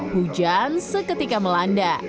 hujan seketika melanda